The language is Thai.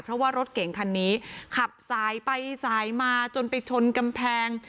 เพราะว่ารถเก่งคันนี้ขับสายไปสายมาจนไปชนกำแพง